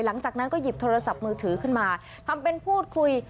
หลังจากนั้นก็หยิบโทรศัพท์มือถือขึ้นมาทำเป็นพูดคุย